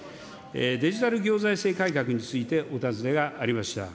デジタル行財政改革についてお尋ねがありました。